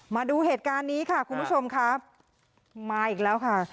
มาดูเหตุการณ์นี้ค่ะคุณผู้ชมครับมาอีกแล้วค่ะ